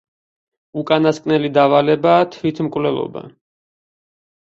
უკანასკნელი დავალებაა თვითმკვლელობა.